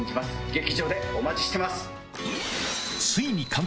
劇場でお待ちしてます。